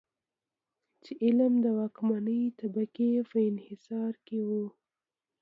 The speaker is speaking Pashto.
چې علم د واکمنې طبقې په انحصار کې و.